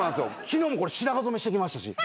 昨日もこれ白髪染めしてきましたし。